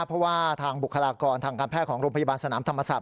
เพราะว่าทางบุคลากรทางการแพทย์ของโรงพยาบาลสนามธรรมศาสต